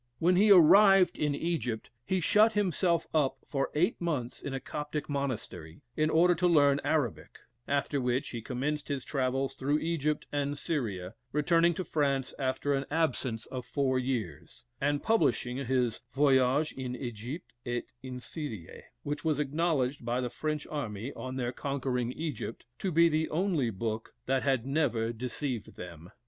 When he arrived in Egypt, he shut himself up for eight months in a Coptic monastery, in order to learn Arabic; after which he commenced his travels through Egypt and Syria, returning to France after an absence of four years, and publishing his "Voyage en Egypte et en Syrie," which was acknowledged by the French army, on their conquering Egypt, to be the only book "that had never deceived them."